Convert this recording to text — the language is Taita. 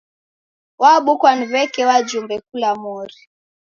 Wabukwa ni w'eke wajumbe kula mori.